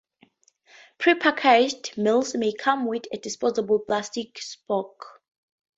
Prepackaged meals may come with a disposable plastic spork.